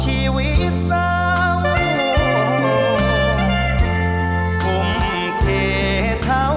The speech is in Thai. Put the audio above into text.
ช่วยฝังดินหรือกว่า